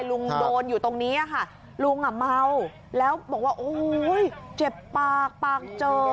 ลุงโดนอยู่ตรงนี้ค่ะลุงอ่ะเมาแล้วบอกว่าโอ้โหเจ็บปากปากเจอ